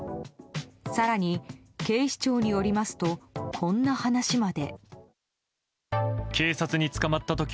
更に、警視庁によりますとこんな話まで。